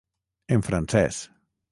En francès.